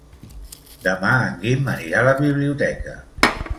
Demà en Guim anirà a la biblioteca.